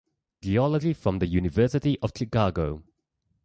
Geology from the University of Chicago.